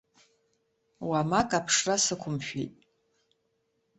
Уамак аԥшра сықәымшәеит.